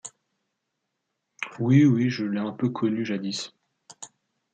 Oui, oui, je l'ai un peu connu jadis.